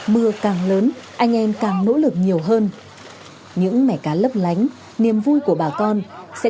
mưa càng lớn anh em càng nỗ lực nhiều hơn những mẻ cá lấp lánh niềm vui của bà con sẽ